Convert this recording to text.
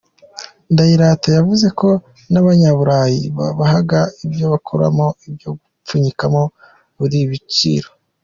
Ndayirata yavuze ko n’Abanyaburayi babahaga ibyo bakoramo ibyo gupfunyikamo burije ibiciro.